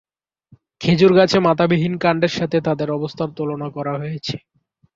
খেজুর গাছের মাথাবিহীন কাণ্ডের সাথে তাদের অবস্থার তুলনা করা হয়েছে।